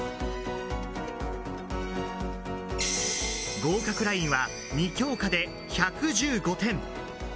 合格ラインは、２教科で１１５点。